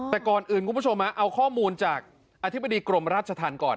แต่ก่อนอื่นคุณผู้ชมเอาข้อมูลจากอธิบดีกรมราชธรรมก่อน